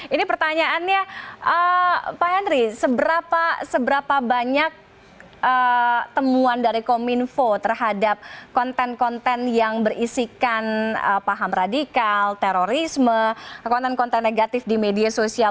ini pertanyaannya pak henry seberapa banyak temuan dari kominfo terhadap konten konten yang berisikan paham radikal terorisme konten konten negatif di media sosial